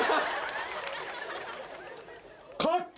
勝った！